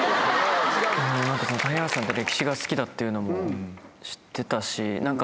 谷原さんって歴史が好きだっていうのも知ってたし。